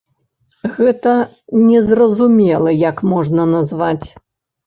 Гэта незразумела як можна назваць.